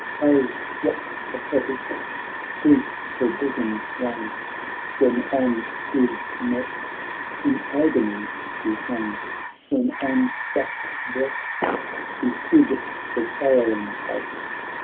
Oh ! what prophetic griefs her bosom wrung When on his neck in agony she hung ! When on that breast she hid her sorrow ing face.